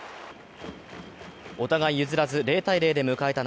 お互い譲らず０−０で迎えた